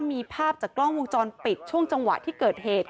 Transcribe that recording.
มีภาพจากกล้องวงจรปิดช่วงจังหวะที่เกิดเหตุ